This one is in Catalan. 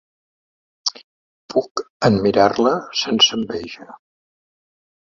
Puc admirar-la sense enveja.